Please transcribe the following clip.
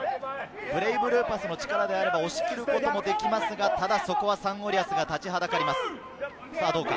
ブレイブルーパスの力であれば、押し込むこともできますが、そこはサンゴリアスが立ちはだかります。